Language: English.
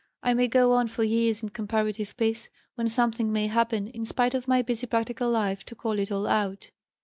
I may go on for years in comparative peace, when something may happen, in spite of my busy practical life, to call it all out."